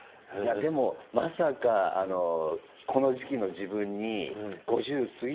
いやでもまさかこの時期の自分に。